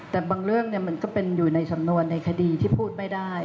แต่บางเรื่องมันก็เป็นอยู่ในสำนวนในคดีที่พูดไม่ได้